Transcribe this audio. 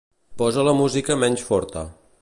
Posa la música menys forta.